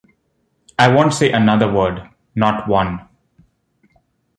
I won’t say another word — not one.